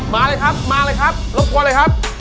มาเลยครับมาเลยครับรบกวนเลยครับ